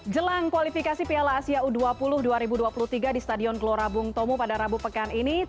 jelang kualifikasi piala asia u dua puluh dua ribu dua puluh tiga di stadion glora bung tomo surabaya jawa timur